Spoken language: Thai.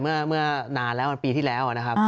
เมื่อนานแล้วปีที่แล้วนะครับ